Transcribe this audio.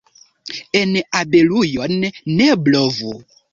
En abelujon ne blovu.